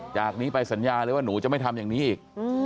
จากนี้ไปสัญญาเลยว่าหนูจะไม่ทำอย่างนี้อีก